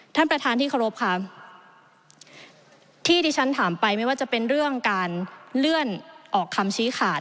ท่านประธานที่เคารพค่ะที่ที่ฉันถามไปไม่ว่าจะเป็นเรื่องการเลื่อนออกคำชี้ขาด